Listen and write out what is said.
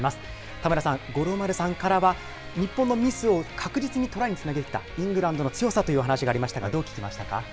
田村さん、五郎丸さんからは日本のミスを確実にトライにつなげてきたイングランドの強さという話がありましたが、どう聞きましたか。